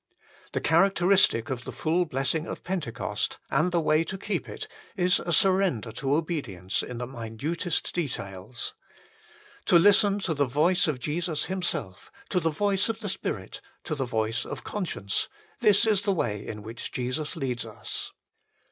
The characteristic of the full blessing of Pentecost, and the way to keep it, is a surrender to obedience in the minutest details. To listen to the voice of Jesus Himself, to the voice of the Spirit, to the voice of Conscience, this is the way in which Jesus leads us.